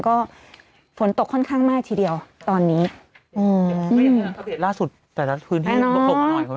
ก็ฝนตกค่อนข้างมากทีเดียวตอนนี้อืมค่ะเร็จสุด